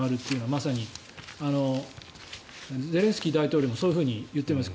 まさにゼレンスキー大統領もそういうふうに言っています。